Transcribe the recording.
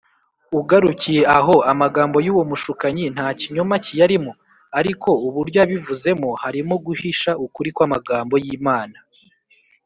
” Ugarukiye aho, amagambo y’uwo mushukanyi nta kinyoma kiyarimo; ariko uburyo yabivuzemo harimo guhisha ukuri kw’ amagambo y’Imana